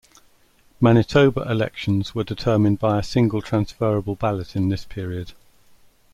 Manitoba elections were determined by a single transferable ballot in this period.